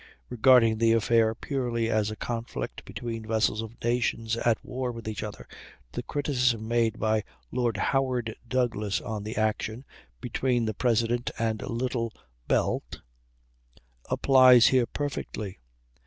Regarding the affair purely as a conflict between vessels of nations at war with each other, the criticism made by Lord Howard Douglass on the action between the President and Little Belt applies here perfectly.